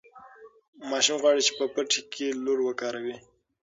ماشوم غواړي چې په پټي کې لور وکاروي.